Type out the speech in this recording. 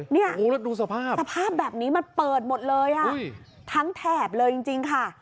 นี่สภาพแบบนี้มันเปิดหมดเลยทั้งแถบเลยจริงค่ะ